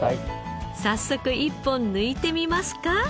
早速１本抜いてみますか？